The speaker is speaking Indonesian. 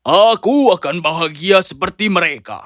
aku akan bahagia seperti mereka